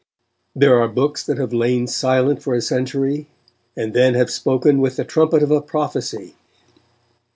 There are books that have lain silent for a century, and then have spoken with the trumpet of a prophecy.